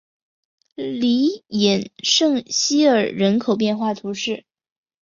里伊圣西尔人口变化图示